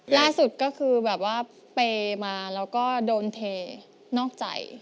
ล่าสุดก็คือแบบว่าเปย์มาแล้วก็โดนเทนอกใจ